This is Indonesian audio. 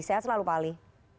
sehat selalu pak ali